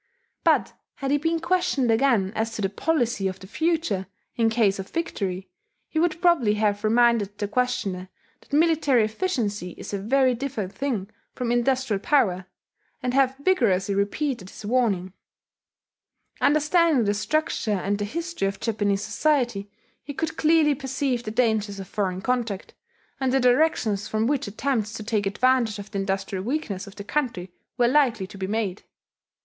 But had he been questioned again as to the policy of the future, in case of victory, he would probably have reminded the questioner that military efficiency is a very different thing from industrial power, and have vigorously repeated his warning. Understanding the structure and the history of Japanese society, he could clearly perceive the dangers of foreign contact, and the directions from which attempts to take advantage of the industrial weakness of the country were likely to be made....